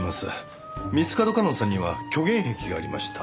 三ツ門夏音さんには虚言癖がありました。